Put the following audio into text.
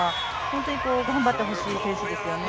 本当に頑張ってほしい選手ですよね。